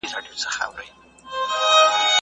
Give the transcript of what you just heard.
تاسو باید خپل وخت په سمه توګه وويشی.